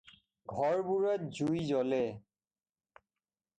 ঘৰবোৰত জুই জ্বলে।